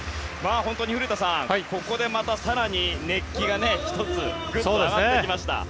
本当に、古田さんここでまた更に熱気が１つグンと上がってきました。